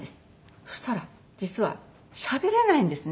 そしたら実はしゃべれないんですね